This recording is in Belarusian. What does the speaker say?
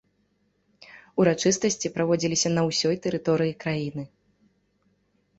Урачыстасці праводзіліся на ўсёй тэрыторыі краіны.